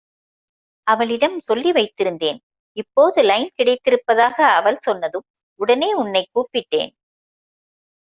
அவளிடம் சொல்லிவைத்திருந்தேன் இப்போது லைன் கிடைத்திருப்பதாக அவள் சொன்னதும் உடனே உன்னை கூப்பிட்டேன்.